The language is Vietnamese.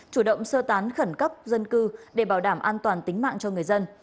chủ động sơ tán khẩn cấp dân cư để bảo đảm an toàn tính mạng cho người dân